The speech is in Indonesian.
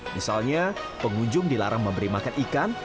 misalnya pengunjung dilarang memberi makan ikan